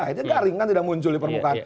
akhirnya garing kan tidak muncul di permukaan